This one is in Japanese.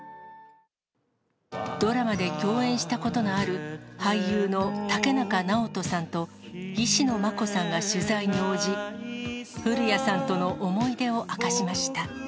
ドラマで共演したことのある俳優の竹中直人さんと、石野真子さんが取材に応じ、古谷さんとの思い出を明かしました。